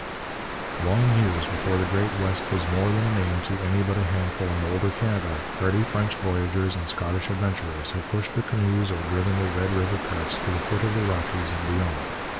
Long years before the Great West was more than a name to any but a handful in older Canada, hardy French voyageurs and Scottish adventurers had pushed their canoes or driven their Red River carts to the foot of the Rockies and beyond.